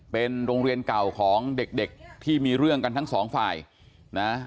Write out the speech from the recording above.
เป็นโรงเรียนเก่าของเด็กเด็กที่มีเรื่องกันทั้งสองฝ่ายนะ